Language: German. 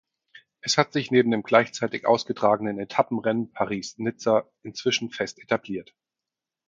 Es hat sich neben dem gleichzeitig ausgetragenen Etappenrennen Paris–Nizza inzwischen fest etabliert.